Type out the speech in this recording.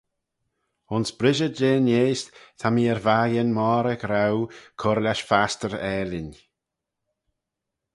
Ayns brishey jeh'n eayst ta mee er vakin moghrey grouw cur lesh fastyr aalin